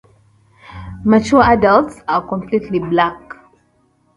Mature adults are completely black.